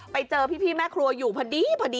ไปเจอพี่แม่ครัวอยู่พอดีพอดี